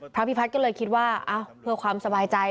พระพิพัฒน์ก็เลยคิดว่าเพื่อความสบายใจ